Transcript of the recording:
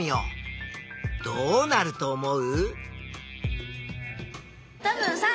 どうなると思う？